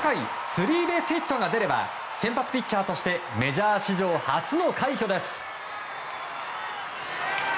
スリーベースヒットが出れば先発ピッチャーとしてメジャー史上初の快挙です。